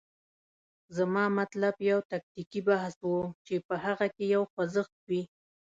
زما مطلب یو تکتیکي بحث و، چې په هغه کې یو خوځښت وي.